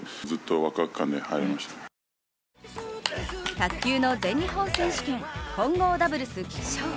卓球の全日本選手権混合ダブルス決勝。